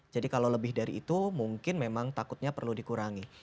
jadi kalau lebih dari itu mungkin memang takutnya perlu dikurangi